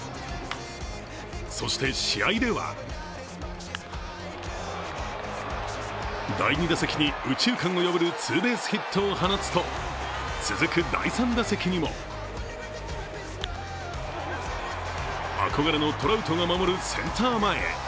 そして、試合では第２打席に右中間を破るツーベースヒットを放つと続く第３打席にも憧れのトラウトが守るセンター前へ。